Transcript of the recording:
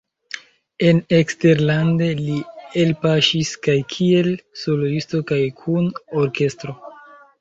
En eksterlande li elpaŝis kaj kiel soloisto kaj kun orkestro.